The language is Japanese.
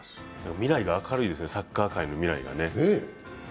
未来が明るいですね、サッカー界の未来がね。